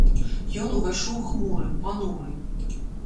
Ён увайшоў хмуры, пануры.